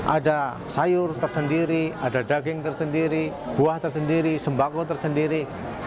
ada sayur tersendiri ada daging tersendiri buah tersendiri sembako tersendiri